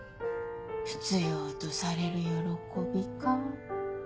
必要とされる喜びか。